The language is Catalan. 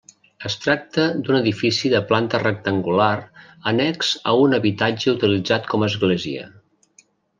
Es tracta d'un edifici de planta rectangular annex a un habitatge utilitzat com església.